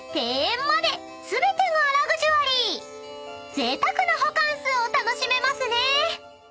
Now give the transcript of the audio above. ［ぜいたくなホカンスを楽しめますね］